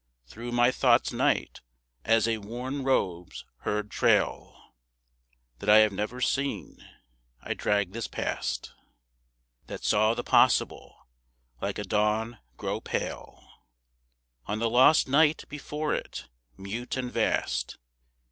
Through my Thought's night, as a worn robe's heard trail That I have never seen, I drag this past That saw the Possible like a dawn grow pale On the lost night before it, mute and vast.